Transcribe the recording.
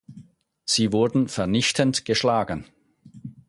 Sie wurden vernichtend geschlagen.